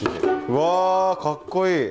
うわかっこいい。